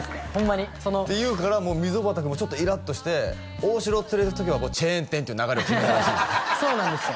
にて言うからもう溝端君もちょっとイラッとして旺志郎を連れてく時はチェーン店っていう流れを決めたらしいですそうなんですよ